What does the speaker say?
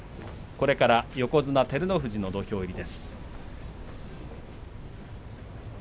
これから横綱照ノ富士の土俵入りです。